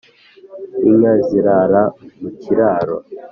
inka zirara mu kiraro